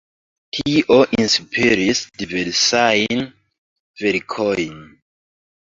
Tio inspiris diversajn verkojn.